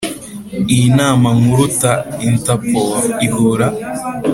Iyi nama nkuru ta Interpol ihura